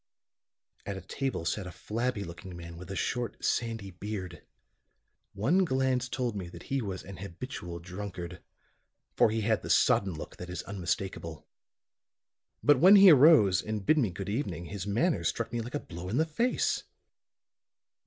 At a table sat a flabby looking man with a short sandy beard. One glance told me that he was an habitual drunkard, for he had the sodden look that is unmistakable. But when he arose and bid me good evening his manner struck me like a blow in the face.